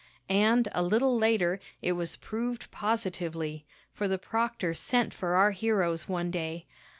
And, a little later, it was proved positively. For the proctor sent for our heroes one day.